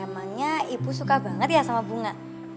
emangnya ibu suka banget ya sama bunga